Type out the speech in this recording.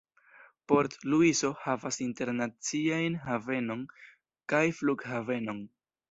Port-Luiso havas internaciajn havenon kaj flughavenon.